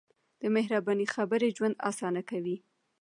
د مهربانۍ خبرې ژوند اسانه کوي.